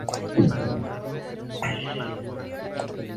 Una vez acabada la tarea se hace una comida multitudinaria.